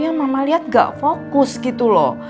yang mama lihat gak fokus gitu loh